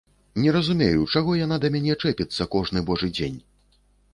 Не разумею, чаго яна да мяне чэпіцца кожны божы дзень!